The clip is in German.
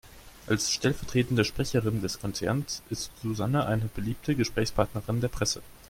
Als stellvertretende Sprecherin des Konzerns ist Susanne eine beliebte Gesprächspartnerin der Presse.